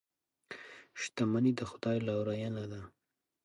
شتمني د خدای لورینه ده.